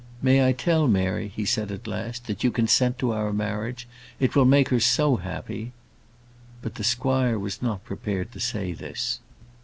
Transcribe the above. "May I tell Mary," he said at last, "that you consent to our marriage? It will make her so happy." But the squire was not prepared to say this.